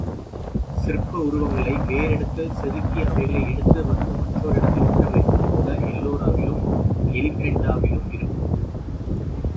சிற்ப உருவங்களை வேறிடத்தில் செதுக்கி அவைகளை எடுத்து வந்து மற்றோரிடத்தில் ஒட்ட வைத்தது போல எல்லோராவிலும், எலிபெண்டாவிலும் இருக்கும்.